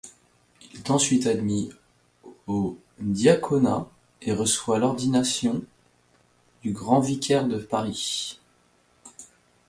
Il est ensuite admis au diaconat et reçoit l'ordination du grand vicaire de Paris.